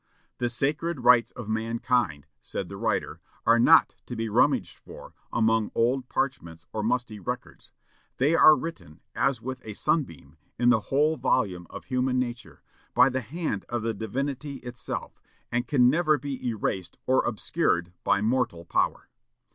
"The sacred rights of mankind," said the writer, "are not to be rummaged for among old parchments or musty records; they are written, as with a sunbeam, in the whole volume of human nature, by the hand of the Divinity itself, and can never be erased or obscured by mortal power."